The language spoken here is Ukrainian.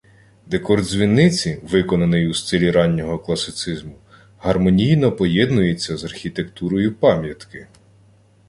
Декор дзвіниці виконаний у стилі раннього класицизму, гармонійно поєднується з архітектурою пам'ятки.